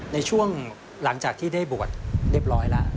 ในช่วงหลังจากที่ได้บวชเรียบร้อยแล้ว